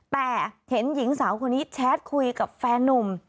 แต่เห็นหญิงสาวคนนี้แชทคุยกับแฟนนุ่ม